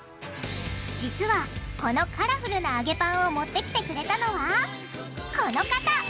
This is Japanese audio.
実はこのカラフルな揚げパンを持ってきてくれたのはこの方！